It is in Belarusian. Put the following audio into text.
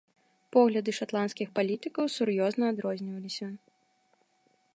Погляды шатландскіх палітыкаў сур'ёзна адрозніваліся.